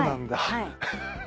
はい。